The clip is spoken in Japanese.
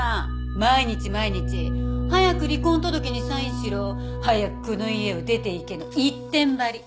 毎日毎日早く離婚届にサインしろ早くこの家を出ていけの一点張り。